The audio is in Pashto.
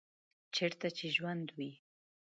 چیرته چې ژوند وي